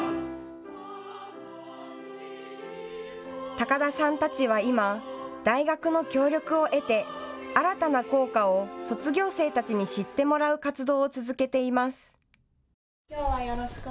高田さんたちは今、大学の協力を得て新たな校歌を卒業生たちに知ってもらう活動を続けています。